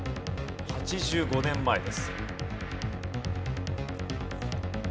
８５年前です。